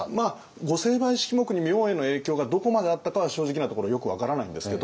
御成敗式目に明恵の影響がどこまであったかは正直なところよく分からないんですけど